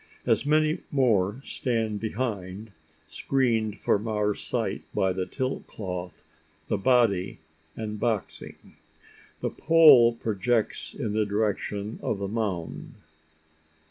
As many more stand behind screened from our sight by the tilt cloth, the body, and boxing. The pole projects in the direction of the mound!